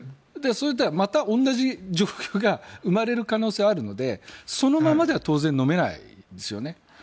それでは、また同じ状況が生まれる可能性があるのでそのままでは当然のめないですよね。